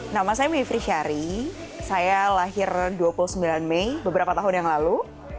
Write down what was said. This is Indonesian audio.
nama saya mie fri syari saya lahir dua puluh sembilan mei beberapa tahun yang lalu